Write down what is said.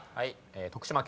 「徳島県」